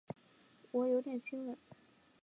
我有点心软